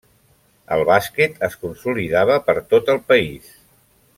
El bàsquet es consolidava per tot el país.